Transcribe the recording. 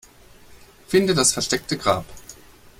Finde das versteckte Grab.